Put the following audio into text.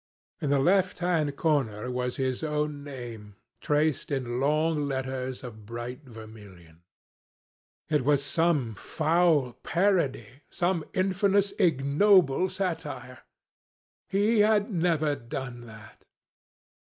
In the left hand corner was his own name, traced in long letters of bright vermilion. It was some foul parody, some infamous ignoble satire. He had never done that.